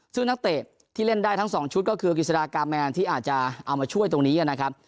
ซึ่งนักเตะที่เล่นได้ทั้งสองชุดก็คือกฤษฎากาแมนที่อาจจะเอามาช่วยตรงนี้นะครับ